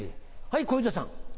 はい小遊三さん。